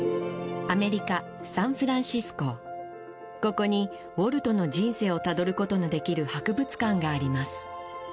ここにウォルトの人生をたどることのできる博物館があります